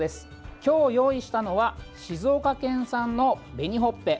今日、用意したのは静岡県産の、紅ほっぺ。